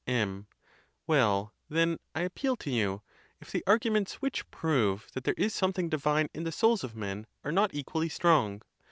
M. Well, then, 1 appeal to you, if the arguments which prove that there is something divine in the souls of men are not equally strong?